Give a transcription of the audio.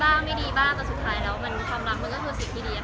มันอาจจะมีดีบ้างไม่ดีบ้าง